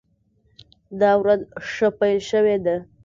دا ورځ ښه پیل شوې ده.